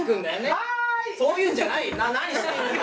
はーい！そういうのじゃないよ！